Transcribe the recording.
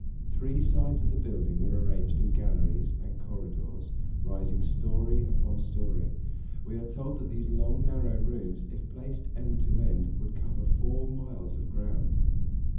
Three sides of the building were arranged in galleries and corridors, rising story upon story; we are told that these long narrow rooms, if placed end to end, would cover four miles of ground.